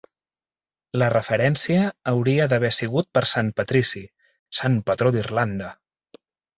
La referència hauria d'haver sigut per Sant Patrici, sant patró d'Irlanda.